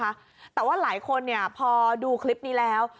แต่ว่าหลายคนเนี่ยพอดูคลิปนี้แล้ว